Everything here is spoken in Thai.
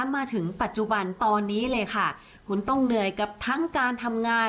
มาถึงปัจจุบันตอนนี้เลยค่ะคุณต้องเหนื่อยกับทั้งการทำงาน